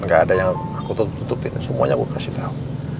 gaada yang aku tutupin semuanya aku kasih tau